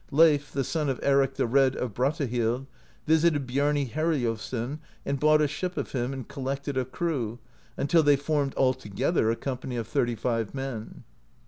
Leif, the son of Eric the Red, of Brattahlid, visited Biarni Heriulfsson and bought a ship of him, and collected a crew, until they formed altogether a company of thirty five men.